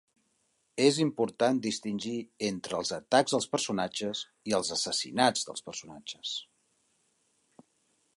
És important distingir entre els atacs als personatges i els assassinats dels personatges.